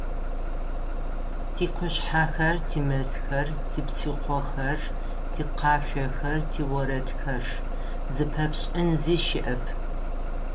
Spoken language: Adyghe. Тикъушъхьэхэр, тимэзхэр, типсыхъохэр, тикъашъохэр, тиорэдхэр - зыпэпшӏын зи щыӏэп.